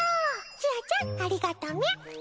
ちあちゃんありがとみゃ。